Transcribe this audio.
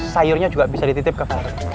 sayurnya juga bisa dititip ke sini